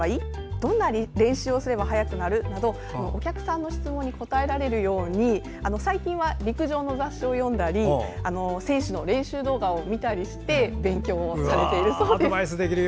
どんな練習をすれば速くなる？などお客さんの質問に答えられるよう最近は陸上の雑誌を読んだり選手の練習動画を見たりして勉強をされているそうです。